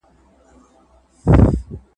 په کورني ژوند کي بغض او کينه ځای نه لري.